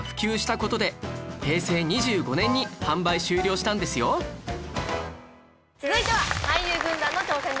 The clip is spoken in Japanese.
その後続いては俳優軍団の挑戦です。